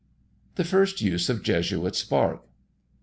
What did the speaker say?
THE FIRST USE OF JESUIT'S BARK.